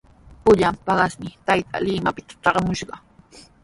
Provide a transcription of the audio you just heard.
Pullan paqasmi taytaa Limapita traamushqa.